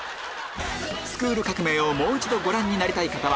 『スクール革命！』をもう一度ご覧になりたい方は